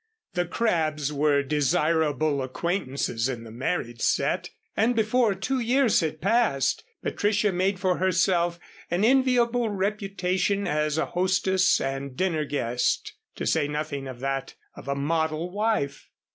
The Crabbs were desirable acquaintances in the married set, and before two years had passed, Patricia made for herself an enviable reputation as a hostess and dinner guest, to say nothing of that of a model wife.